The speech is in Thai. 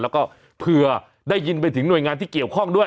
แล้วก็เผื่อได้ยินไปถึงหน่วยงานที่เกี่ยวข้องด้วย